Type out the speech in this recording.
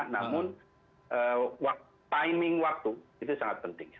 namun timing waktu itu sangat penting